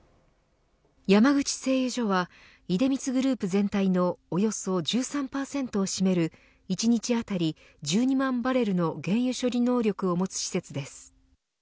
山口製油所は出光グループ全体のおよそ１３％を占める１日当たり１２万バレルの原油処理能力を持つ施設です。